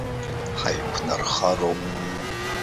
Ҳаиқәнархароуп!